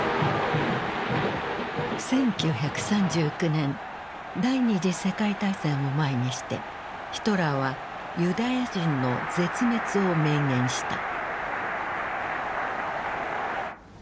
１９３９年第２次世界大戦を前にしてヒトラーはユダヤ人の絶滅を明言した。